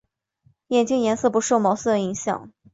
眼镜颜色不受毛色影响。